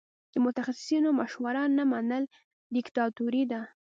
د متخصصینو مشوره نه منل دیکتاتوري ده.